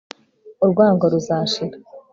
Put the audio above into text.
urwango ruzashira